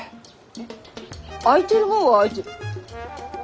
えっ？空いてるもんは空いて。